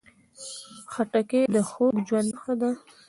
خټکی د خوږ ژوند نښه ده.